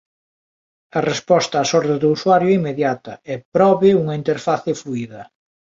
A resposta ás ordes do usuario é inmediata e prove unha interface fluída.